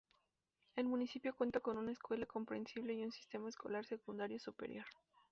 El municipio cuenta con una escuela comprensible y un sistema escolar secundario superior.